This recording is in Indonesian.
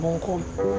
tidak bisa disambung